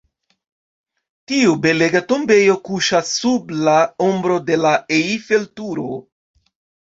Tiu belega tombejo kuŝas sub la ombro de la Eiffel-Turo.